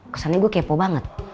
kesannya gue kepo banget